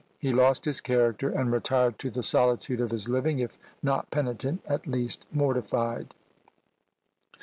He lost his character, and retired to the solitude of his living; if not penitent, at least mortified.